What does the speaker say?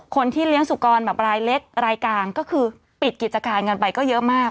คนที่เลี้ยงสุกรแบบรายเล็กรายกลางก็คือปิดกิจการกันไปก็เยอะมาก